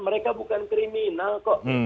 mereka bukan kriminal kok